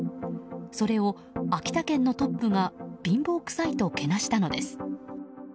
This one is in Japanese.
それを、秋田県のトップが貧乏くさいとけなしたのです。